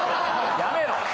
やめろ。